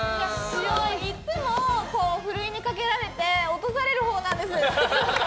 いつも、ふるいにかけられて落とされるほうなんです。